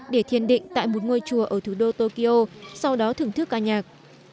để thiền định tại một ngôi chùa ở thủ đô tokyo sau đó thưởng thức ca nhạc